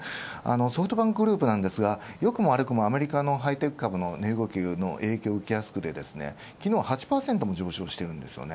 ソフトバンクグループなんですがよくも悪くもアメリカのハイテク株の値動きの影響を受けやすくて昨日は８％も上昇。